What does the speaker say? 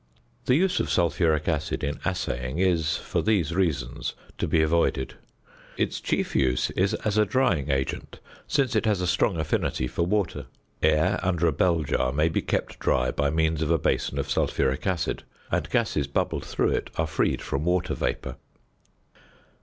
The use of sulphuric acid in assaying is (for these reasons) to be avoided. Its chief use is as a drying agent, since it has a strong affinity for water. Air under a bell jar may be kept dry by means of a basin of sulphuric acid, and gases bubbled through it are freed from water vapour.